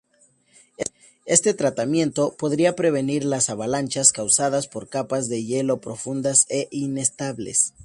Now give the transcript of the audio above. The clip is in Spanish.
Este tratamiento podría prevenir las avalanchas causadas por capas de hielo profundas e inestables.